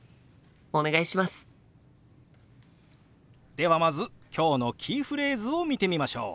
ではまず今日のキーフレーズを見てみましょう。